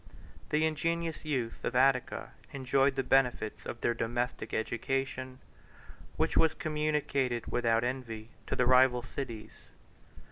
144 The ingenuous youth of Attica enjoyed the benefits of their domestic education, which was communicated without envy to the rival cities.